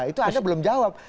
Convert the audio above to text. itu anda belum jawab